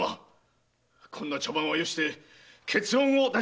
こんな茶番はよして結論を出してくださいまし。